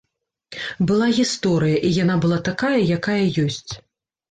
Была гісторыя, і яна была такая, якая ёсць.